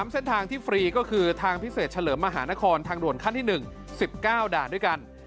เส้นทางที่ฟรีก็คือทางพิเศษเฉลิมมหานครทางด่วนขั้นที่๑๑๙ด่านด้วยกัน